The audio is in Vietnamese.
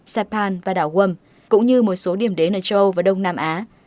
saipan và đảo guam cũng như một số điểm đế nơi châu âu và đông nam á